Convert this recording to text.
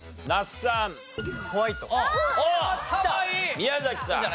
宮崎さん。